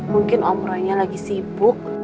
mungkin om roynya lagi sibuk